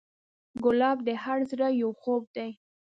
ګلاب د هر زړه یو خوب دی.